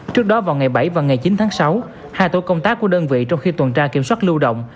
trước đó vào ngày bảy và ngày chín tháng sáu hai tổ công tác của đơn vị trong khi tuần tra kiểm soát lưu động